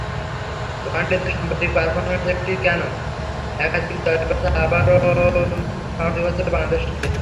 ওয়ানডেতে সাম্প্রতিক পারফরম্যান্স একটি কেন, একাধিক জয়ের কথা ভাবারও সাহস জোগাচ্ছে বাংলাদেশকে।